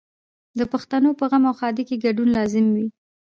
د پښتنو په غم او ښادۍ کې ګډون لازمي وي.